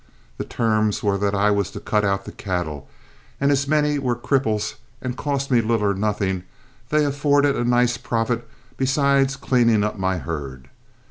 The terms were that I was to cut out the cattle, and as many were cripples and cost me little or nothing, they afforded a nice profit besides cleaning up my herd.